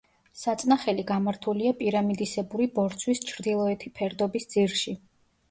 საწნახელი გამართულია პირამიდისებური ბორცვის ჩრდილოეთი ფერდობის ძირში.